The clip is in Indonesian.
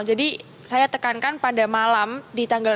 jadi saya tekankan pada malam di tanggal enam belas itu